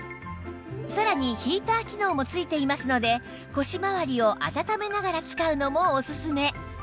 さらにヒーター機能も付いていますので腰まわりを温めながら使うのもおすすめ